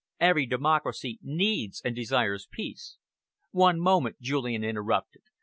Every democracy needs and desires peace." "One moment," Julian interrupted.